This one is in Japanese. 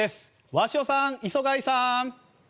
鷲尾さん、磯貝さん！